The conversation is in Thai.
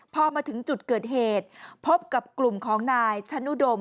พอมาถึงจุดเกิดเหตุพบกับกลุ่มของนายชะนุดม